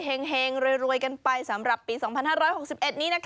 แห่งรวยกันไปสำหรับปี๒๕๖๑นี้นะคะ